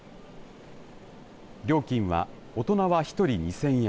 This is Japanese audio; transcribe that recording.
料金は大人は１人２０００円。